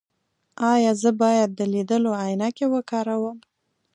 ایا زه باید د لیدلو عینکې وکاروم؟